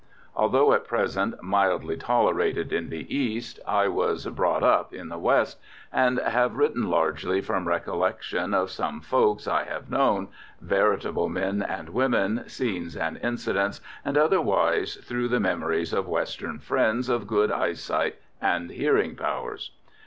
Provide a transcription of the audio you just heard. Although at present mildly tolerated in the East, I was "brought up" in the West, and have written largely from recollection of "some folks" I have known, veritable men and women, scenes and incidents, and otherwise through the memories of Western friends of good eyesight and hearing powers.